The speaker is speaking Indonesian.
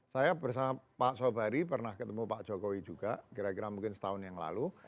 saya bersama pak sobari pernah ketemu pak jokowi juga kira kira mungkin setahun yang lalu